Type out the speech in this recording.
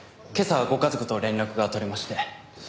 今朝ご家族と連絡が取れまして。